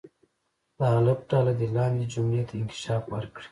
د الف ډله دې لاندې جملې ته انکشاف ورکړي.